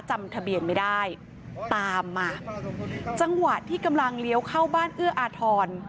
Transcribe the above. จำทะเบียนไม่ได้ตามมาจังหวะที่กำลังเลี้ยวเข้าบ้านเอื้ออาทร